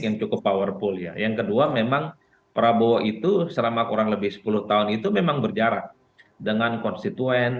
yang kedua memang prabowo itu selama kurang lebih sepuluh tahun itu memang berjarak dengan konstituen